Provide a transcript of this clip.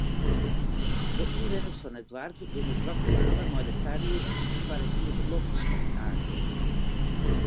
De ynwenners fan it doarp binne drok dwaande mei de tariedings foar it iepenloftspektakel.